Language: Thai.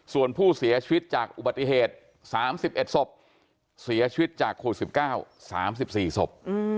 ส่วนผู้เสียชีวิตจากอุบัติเหตุ๓๑ศพเสียชีวิตจากโควิด๑๙๓๔ศพ